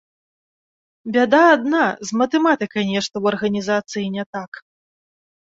Бяда адна, з матэматыкай нешта ў арганізацыі не так.